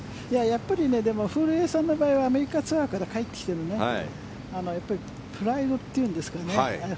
やっぱりでも、古江さんの場合はアメリカツアーから帰ってきてるプライドというんですかね